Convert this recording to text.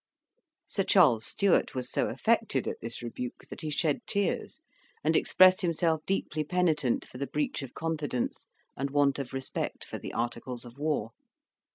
Sir Charles Stewart was so affected at this rebuke that he shed tears, and expressed himself deeply penitent for the breach of confidence and want of respect for the Articles of War.